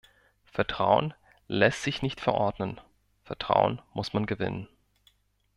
Vertrauen lässt sich nicht verordnen, Vertrauen muss man gewinnen.